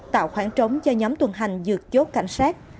tạo khoảng trống cho nhóm tuần hành dược chốt cảnh sát